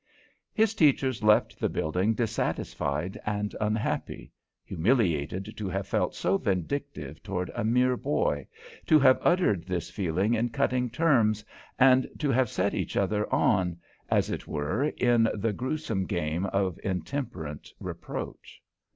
His teachers left the building dissatisfied and unhappy; humiliated to have felt so vindictive toward a mere boy, to have uttered this feeling in cutting terms, and to have set each other on, as it were, in the grewsome game of intemperate reproach.